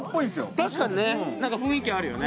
確かにねなんか雰囲気あるよね